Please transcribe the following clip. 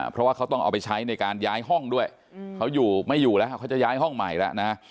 เพราะว่าเขาต้องเอาไปใช้ในการย้ายห้องด้วยเขาอยู่ไม่อยู่แล้วเขาจะย้ายห้องใหม่แล้วนะ